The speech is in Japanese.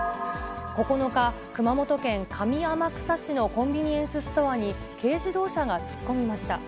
９日、熊本県上天草市のコンビニエンスストアに、軽自動車が突っ込みました。